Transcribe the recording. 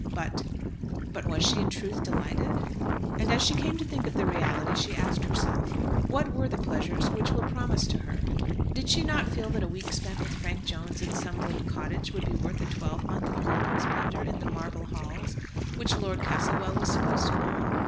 But, but was she in truth delighted? As she came to think of the reality she asked herself what were the pleasures which were promised to her. Did she not feel that a week spent with Frank Jones in some little cottage would be worth a twelvemonth of golden splendour in the "Marble Halls" which Lord Castlewell was supposed to own?